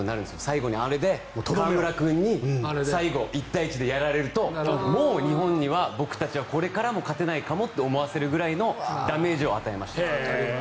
最後にあれで河村君に最後１対１でやられるともう日本には僕たちはこれからも勝てないかもと思わせるぐらいのダメージを与えました。